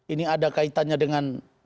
ini ada kaitannya dengan